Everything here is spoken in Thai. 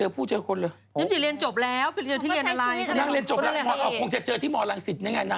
เป็นสีขาวเบา